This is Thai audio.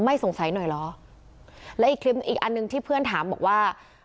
สงสัยหน่อยเหรอและอีกคลิปอีกอันหนึ่งที่เพื่อนถามบอกว่า